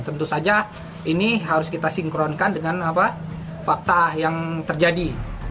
tentu saja ini harus kita sinkronkan dengan fakta yang terjadi